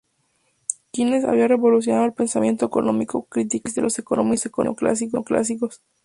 Keynes había revolucionado el pensamiento económico, criticando el análisis de los economistas neoclásicos.